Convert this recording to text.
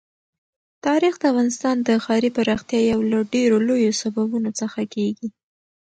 تاریخ د افغانستان د ښاري پراختیا یو له ډېرو لویو سببونو څخه کېږي.